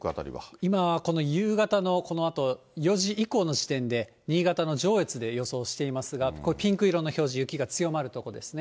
今はこの夕方の、このあと４時以降の時点で、新潟の上越で予想していますが、ピンク色の表示、雪が強まる所ですね。